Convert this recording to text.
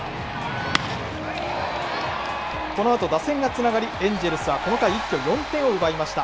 このあと、打線がつながり、エンジェルスはこの回一挙４点を奪いました。